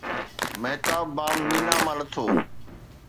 مهتاب بام مينا مان لٿو